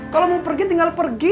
kalau mau pergi tinggal pergi